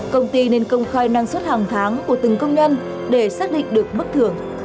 công ty nên công khai năng suất hàng tháng của từng công nhân để xác định được mức thưởng